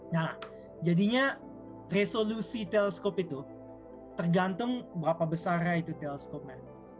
nah jadinya resolusi teleskop itu tergantung berapa besar ya itu teleskopnya